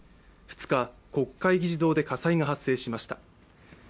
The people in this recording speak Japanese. ２日、国会議事堂で火災が発生しました。